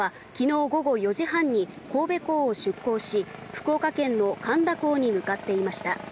白虎は昨日午後４時半に神戸港を出港し、福岡県の苅田港に向かっていました。